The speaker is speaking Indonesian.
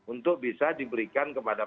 untuk bisa diberikan kepada